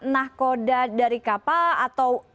nah koda dari kapal atau